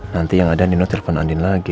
nanti yang ada nino telepon andin lagi